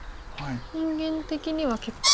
人間的には結構。